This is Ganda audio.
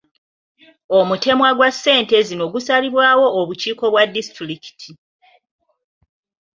Omutemwa gwa ssente zino gusalibwawo obukiiko bwa disitulikiti.